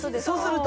そうです。